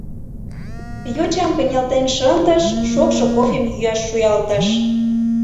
Йочам кынелтен шындыш, шокшо кофем йӱаш шуялтыш.